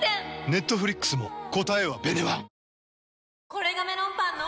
これがメロンパンの！